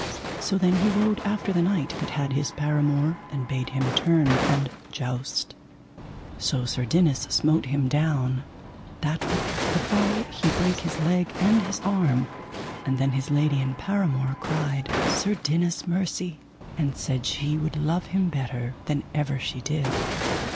So then he rode after the knight that had his paramour, and bade him turn and joust. So Sir Dinas smote him down, that with the fall he brake his leg and his arm. And then his lady and paramour cried Sir Dinas mercy, and said she would love him better than ever she did.